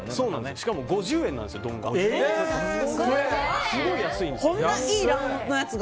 しかも５０円なんです、丼が。